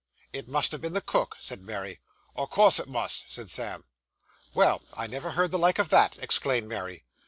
'It must have been the cook,' said Mary. 'O' course it must,' said Sam. 'Well, I never heard the like of that!' exclaimed Mary.